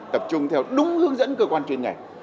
tập trung theo đúng hướng dẫn cơ quan chuyên ngành